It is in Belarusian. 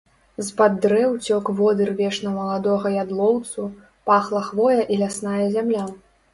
З-пад дрэў цёк водыр вечна маладога ядлоўцу, пахла хвоя і лясная зямля.